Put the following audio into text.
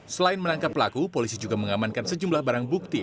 selain menangkap pelaku polisi juga mengamankan sejumlah barang bukti